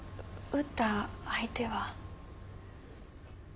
撃った相手は？